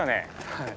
はい。